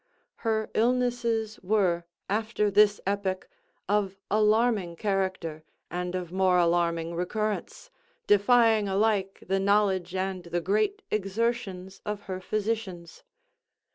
Her illnesses were, after this epoch, of alarming character, and of more alarming recurrence, defying alike the knowledge and the great exertions of her physicians.